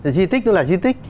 di tích nó là di tích